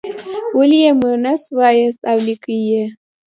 ولې یې مونث وایاست او لیکئ یې.